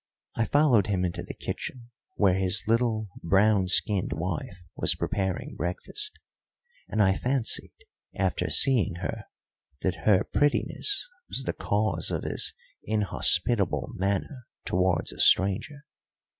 I followed him into the kitchen, where his little brown skinned wife was preparing breakfast, and I fancied, after seeing her, that her prettiness was the cause of his inhospitable manner towards a stranger.